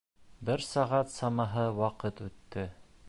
Бер сәғәт самаһы ваҡыт үтте.